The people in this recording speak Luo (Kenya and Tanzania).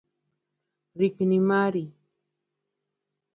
Rikni mari.